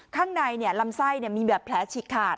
ข้างในลำไส้มีแบบแผลฉีกขาด